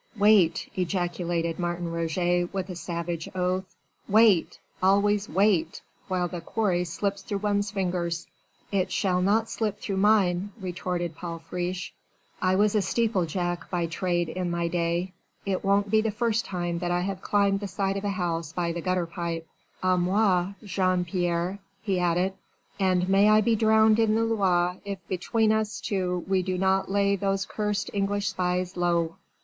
"Wait!" ejaculated Martin Roget with a savage oath, "wait! always wait! while the quarry slips through one's fingers." "It shall not slip through mine," retorted Paul Friche. "I was a steeple jack by trade in my day: it won't be the first time that I have climbed the side of a house by the gutter pipe. A moi Jean Pierre," he added, "and may I be drowned in the Loire if between us two we do not lay those cursed English spies low."